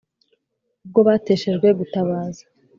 Ubwo bateshejwe gutabaza